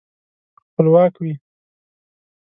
خپلواک وي.